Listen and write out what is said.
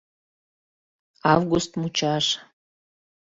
Август мучаш.